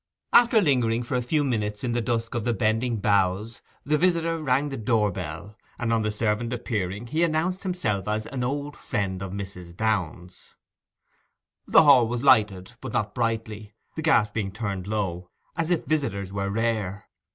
After lingering for a few minutes in the dusk of the bending boughs, the visitor rang the door bell, and on the servant appearing, he announced himself as 'an old friend of Mrs. Downe's.' The hall was lighted, but not brightly, the gas being turned low, as if visitors were rare.